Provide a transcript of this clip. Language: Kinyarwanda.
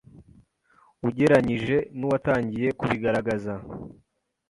ugeranyije n'uwatangiye kubigaragaza